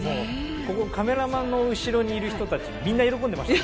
カメラマンの後ろにいる人たちみんな喜んでいましたね。